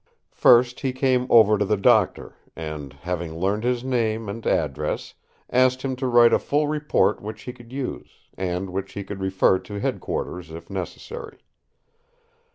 First he came over to the Doctor and, having learned his name and address, asked him to write a full report which he could use, and which he could refer to headquarters if necessary.